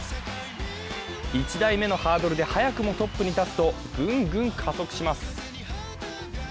１台目のハードルで早くもトップに立つとぐんぐん加速します。